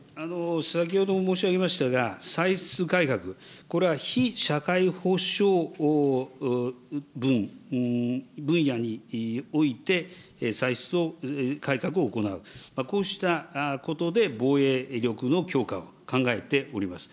先ほど申し上げましたが、歳出改革、これは非社会保障分野において、歳出を改革を行う、こうしたことで防衛力の強化を考えております。